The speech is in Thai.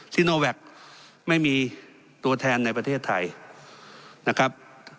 ซิโนแวคไม่มีตัวแทนในประเทศไทยนะครับ